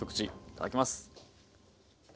いただきます。